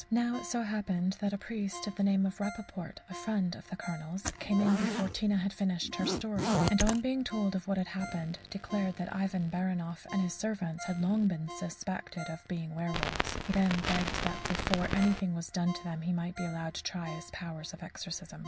Now it so happened that a priest of the name of Rappaport, a friend of the Colonel's, came in before Tina had finished her story, and on being told what had happened, declared that Ivan Baranoff and his servants had long been suspected of being werwolves. He then begged that before anything was done to them he might be allowed to try his powers of exorcism.